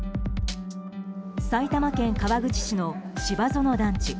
埼玉県川口市の芝園団地。